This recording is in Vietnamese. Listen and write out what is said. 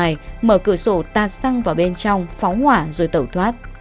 gia khóa chốt cửa ngồi mở cửa sổ tạt xăng vào bên trong phóng hỏa rồi tẩu thoát